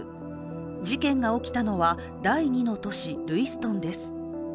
事件が起きたのは第２の都市ルイストンです。